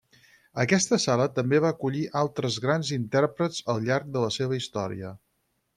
Aquesta sala també va acollir altres grans intèrprets al llarg de la seva història.